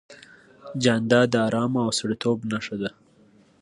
جانداد د ارام او سړیتوب نښه ده.